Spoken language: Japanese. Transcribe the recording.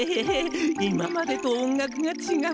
今までと音楽がちがう。